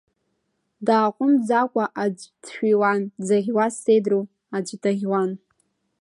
Дааҟәымҵӡакәа аӡә дшәиуан, дзаӷьуаз сеидру, аӡә даӷьуан.